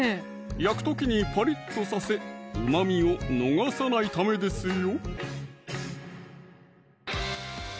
焼く時にパリッとさせうまみを逃さないためですよ